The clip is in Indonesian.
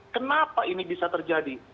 kenapa ini bisa terjadi